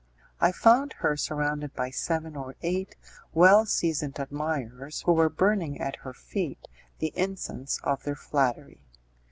I found her surrounded by seven or eight well seasoned admirers, who were burning at her feet the incense of their flattery.